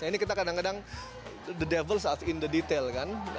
ini kita kadang kadang the davels out in the detail kan